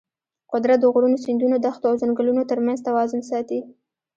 قدرت د غرونو، سیندونو، دښتو او ځنګلونو ترمنځ توازن ساتي.